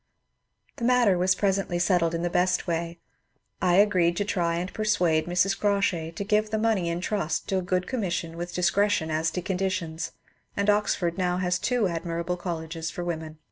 ^ The matter was presently settled in the best way ; I agreed to try and persuade Mrs. Crawshay to give the money in trust to a good commission with discretion as to conditions, and Oxford now has two admirable colleges for women.